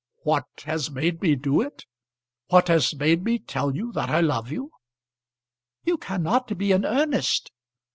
"What has made me do it? What has made me tell you that I love you?" "You cannot be in earnest!"